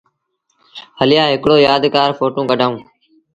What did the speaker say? هليآ هڪڙو يآدگآر ڦوٽو ڪڍآئوٚݩ۔